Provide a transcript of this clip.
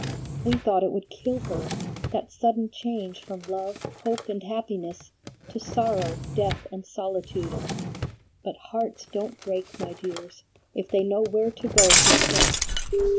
"We thought it would kill her, that sudden change from love, hope, and happiness to sorrow, death, and solitude. But hearts don't break, my dears, if they know where to go for strength.